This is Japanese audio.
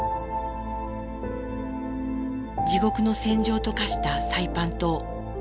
地獄の戦場と化したサイパン島。